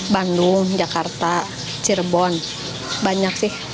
bandung jakarta cirebon banyak sih